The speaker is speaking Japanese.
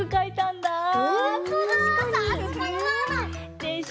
でしょ。